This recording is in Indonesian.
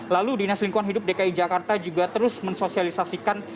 lalu dinas lingkungan hidup dki jakarta juga terus mensosialisasikan